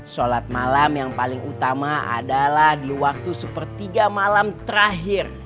sholat malam yang paling utama adalah di waktu super tiga malam terakhir